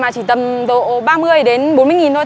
mà chỉ tầm độ ba mươi đến bốn mươi nghìn thôi